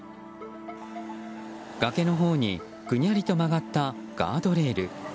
崖のほうにぐにゃりと曲がったガードレール。